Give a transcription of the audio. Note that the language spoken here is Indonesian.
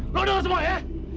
lo denger semua ya